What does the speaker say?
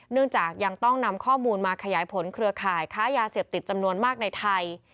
เนื่องจากยังต้องนำข้อมูลมาขยายผลเครือข่ายค้ายาเสพติดจำนวนมากในไทย